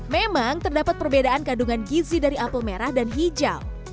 memang terdapat perbedaan kandungan gizi dari apel merah dan hijau